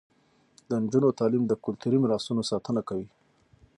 د نجونو تعلیم د کلتوري میراثونو ساتنه کوي.